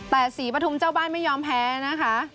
แต่ศรีปฐุมเจ้าบ้านไม่ยอมแพ้นะคะ